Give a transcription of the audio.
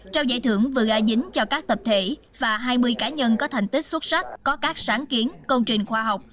trao giải thưởng vừa a dính cho các tập thể và hai mươi cá nhân có thành tích xuất sắc có các sáng kiến công trình khoa học